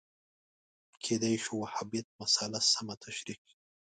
کېدای شو وهابیت مسأله سمه تشریح شي